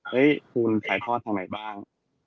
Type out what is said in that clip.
เอ๊ะคุณถ่ายทอดทางไหนบ้าง